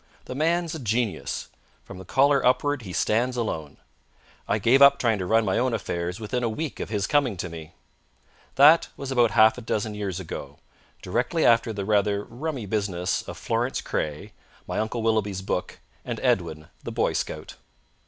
The man's a genius. From the collar upward he stands alone. I gave up trying to run my own affairs within a week of his coming to me. That was about half a dozen years ago, directly after the rather rummy business of Florence Craye, my Uncle Willoughby's book, and Edwin, the Boy Scout.